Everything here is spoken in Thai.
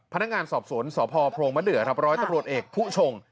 พนักงานสอบสวนสพโพรงมะเดือครับร้อยตำรวจเอกผู้ชง